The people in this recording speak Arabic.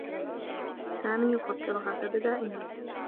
سامي يفكّر هكذا دائما.